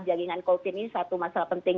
jaringan cold chain ini satu masalah penting